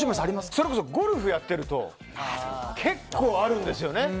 それこそゴルフをやっていると結構あるんですよね。